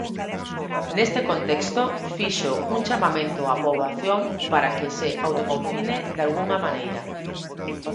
Neste contexto, fixo un chamamento á poboación para que "se autoconfine dalgunha maneira".